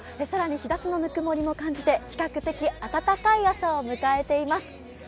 更に日ざしのぬくもりも感じて比較的暖かい朝を迎えています。